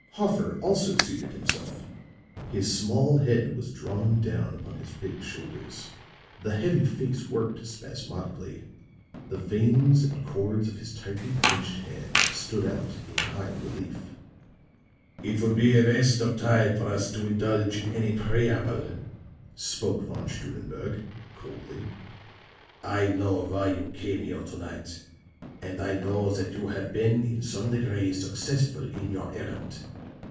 Hoffer also seated himself; his small head was drawn down upon his big shoulders, the heavy face worked spasmodically; the veins and cords of his tightly clinched hands stood out in high relief. "It would be a waste of time for us to indulge in any preamble," spoke Von Stunnenberg, coldly. "I know why you came here to night; and I know that you have been in some degree successful in your errand.